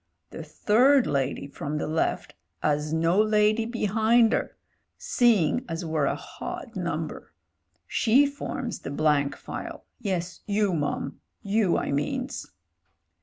The third lady from the left 'as no lady behind 'er — seeing as we're a hodd number. She forms the blank file. Yes, you, mum — you, I means."